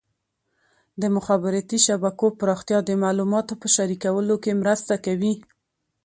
د مخابراتي شبکو پراختیا د معلوماتو په شریکولو کې مرسته کوي.